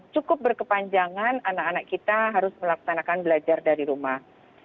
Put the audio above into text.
cukup berkepanjangan anak anak kita harus melaksanakan belajar dari rumah